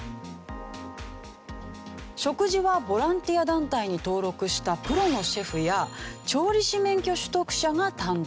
食事はボランティア団体に登録したプロのシェフや調理師免許取得者が担当。